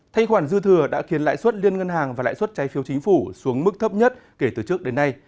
thanh khoản dư thừa đã khiến lãi suất liên ngân hàng và lãi suất trái phiếu chính phủ xuống mức thấp nhất kể từ trước đến nay